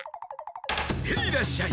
ヘイらっしゃい！